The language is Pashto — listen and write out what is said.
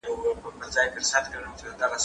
زه پرون سبزیجات جمع کړل